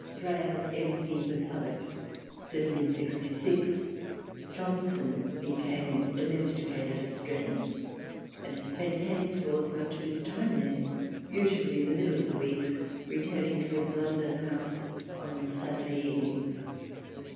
Thrale M.P. for Southwark. 1766. Johnson became domesticated at Streatham, and spent henceforth much of his time there, usually the middle of the weeks, returning to his London House on Saturday evenings.